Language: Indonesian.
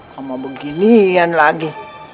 sama beginian lagi